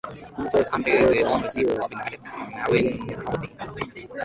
She was under the ownership of United Marine Holdings.